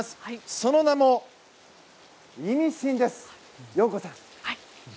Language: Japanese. その名も、「イミシン」です容子さん！